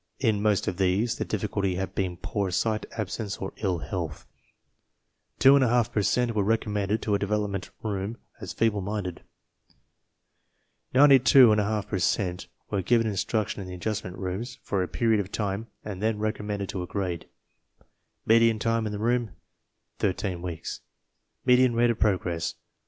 In most of these the difficulty had been poor sight, absence, or ill health 2^£ per cent were recommended to a Development Room as feeble minded 92J£ per cent were given instruction in the Adjustment Rooms for a period of time and then recommended to a grade Median time in the room, 13 weeks Median rate of progress, 4.